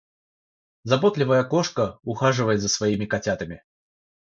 Заботливая кошка ухаживает за своими котятами.